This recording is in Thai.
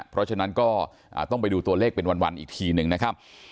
เพราะฉะนั้นก็ต้องไปดูตัวเลขเป็นวันอีกทีหนึ่งนะครับ